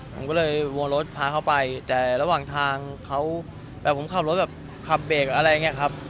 ผมก็เลยวงรถพาเขาไปแต่ระหว่างทางเขาแบบผมขับรถแบบขับเบรกอะไรอย่างนี้ครับ